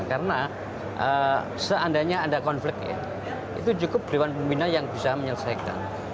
karena seandainya ada konflik ya itu cukup dewan pembina yang bisa menyelesaikan